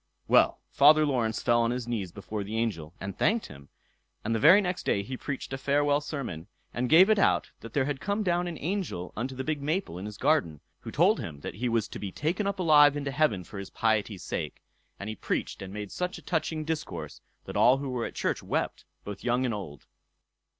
Well, Father Laurence fell on his knees before the angel, and thanked him; and the very next day he preached a farewell sermon, and gave it out how there had come down an angel unto the big maple in his garden, who had told him that he was to be taken up alive into heaven for his piety's sake; and he preached and made such a touching discourse, that all who were at church wept, both young and old.